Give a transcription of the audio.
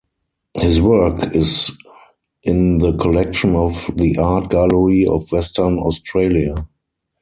His work is in the collection of the Art Gallery of Western Australia.